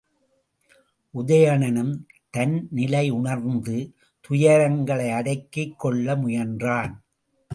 உதயணனும் தன் நிலையுணர்ந்து, துயரங்களை அடக்கிக் கொள்ள முயன்றான்.